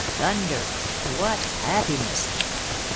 Thunder! what happiness!